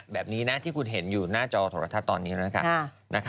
แบบนี้นะที่คุณเห็นอยู่หน้าจอโทรทัศน์ตอนนี้นะคะ